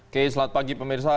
oke selamat pagi pemirsa